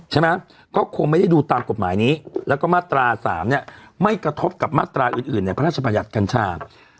ใช่ไหมก็คงไม่ได้ดูตามกฎหมายนี้แล้วก็มาตรา๓เนี่ยไม่กระทบกับมาตราอื่นในพระราชบัญญัติกัญชา